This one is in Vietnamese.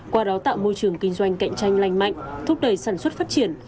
qua đó tạo môi trường kinh doanh cạnh tranh lành mạnh thúc đẩy sản xuất phát triển